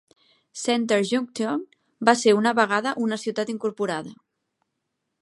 Center Junction va ser una vegada una ciutat incorporada.